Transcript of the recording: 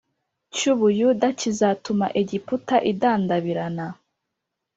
Cy u buyuda kizatuma egiputa idandabirana